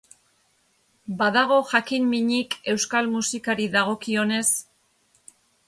Badago jakin-minik euskal musikari dagokionez?